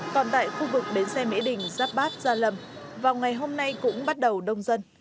còn tại khu vực bến xe mỹ đình giáp bát gia lâm vào ngày hôm nay cũng bắt đầu đông dân